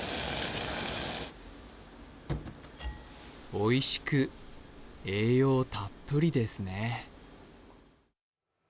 おいしく栄養たっぷりですね。